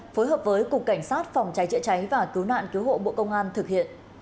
phối hợp với cục cảnh sát phòng cháy chữa cháy và cứu nạn cứu hộ bộ công an thực hiện